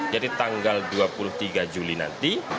jadi tanggal dua puluh tiga juli nanti